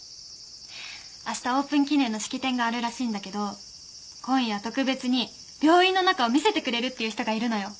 明日オープン記念の式典があるらしいんだけど今夜特別に病院の中を見せてくれるっていう人がいるのよ。